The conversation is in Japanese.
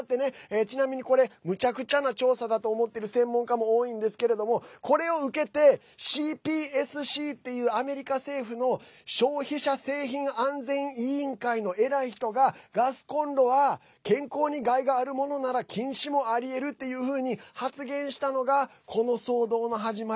ちなみに、これむちゃくちゃな調査だと思ってる専門家も多いんですけれどもこれを受けて、ＣＰＳＣっていうアメリカ政府の消費者製品安全委員会の偉い人がガスコンロは健康に害があるものなら禁止もありえるっていうふうに発言したのが、この騒動の始まり。